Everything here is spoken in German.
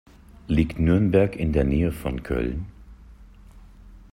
Liegt Nürnberg in der Nähe von Köln?